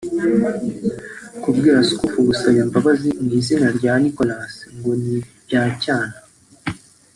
Kubwira Schoof gusaba imbabazi mu izina rya Nicholas ngo ni “ibya cyana”